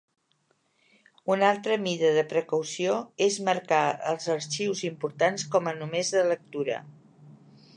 Una altra mida de precaució és marcar els arxius importants com a "només de lectura".